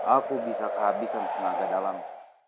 aku bisa kehabisan tenaga dalam